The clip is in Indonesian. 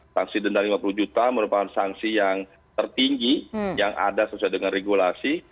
sanksi denda lima puluh juta merupakan sanksi yang tertinggi yang ada sesuai dengan regulasi